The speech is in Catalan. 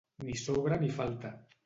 Ni sobra ni falta.